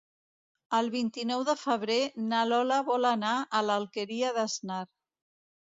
El vint-i-nou de febrer na Lola vol anar a l'Alqueria d'Asnar.